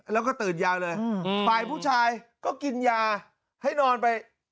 แล้วก็ตื่นยาวเลยฝ่ายผู้ชายก็กินยาให้นอนไป